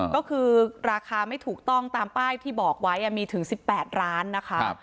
ก็คือราคาไม่ถูกต้องตามป้ายที่บอกไว้มีถึง๑๘ร้านนะคะ